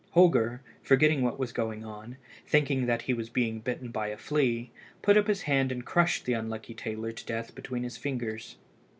Holger, forgetting what was going on, thinking that he was being bitten by a flea, put up his hand and crushed the unlucky tailor to death between his fingers.